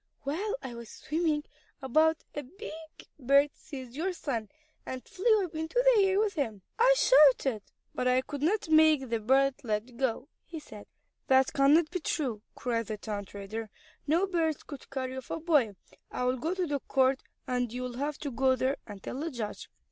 "While I was swimming about a big bird seized your son, and flew up into the air with him. I shouted, but I could not make the bird let go," he said. "That cannot be true," cried the town trader. "No bird could carry off a boy. I will go to the court, and you will have to go there, and tell the judge."